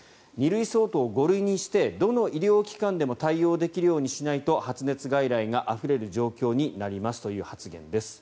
２類相当を５類にしてどの医療機関でも対応できるようにしないと発熱外来があふれる状況になりますという発言です。